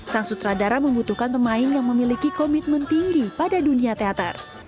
sang sutradara membutuhkan pemain yang memiliki komitmen tinggi pada dunia teater